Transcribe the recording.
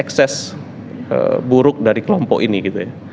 ekses buruk dari kelompok ini gitu ya